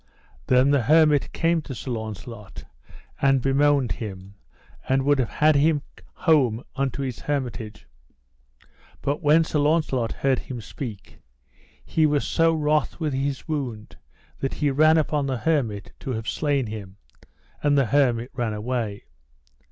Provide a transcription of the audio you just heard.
Then the hermit came to Sir Launcelot and bemoaned him, and would have had him home unto his hermitage; but when Sir Launcelot heard him speak, he was so wroth with his wound that he ran upon the hermit to have slain him, and the hermit ran away.